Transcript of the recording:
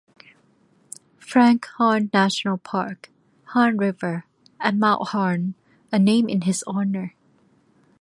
Frank Hann National Park, Hann River and Mount Hann are named in his honour.